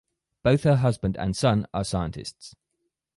Both her husband and son are scientists.